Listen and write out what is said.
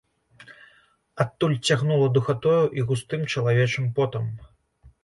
Адтуль цягнула духатою і густым чалавечым потам.